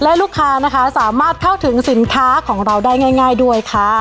และลูกค้านะคะสามารถเข้าถึงสินค้าของเราได้ง่ายด้วยค่ะ